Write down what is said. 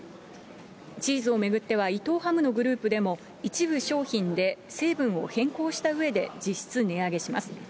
チーズを巡っては、伊藤ハムのグループでも、一部商品で成分を変更したうえで、実質値上げします。